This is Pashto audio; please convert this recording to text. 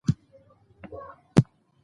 موږ به تر پایه پورې د هغوی په پلونو پل ږدو.